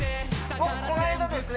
僕この間ですね